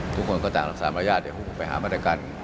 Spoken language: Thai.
ทุกคนก็ตามรักษามารยาทเดี๋ยวผมไปหาบรรยาการ